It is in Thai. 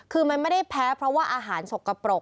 คือมันไม่ได้แพ้เพราะว่าอาหารสกปรก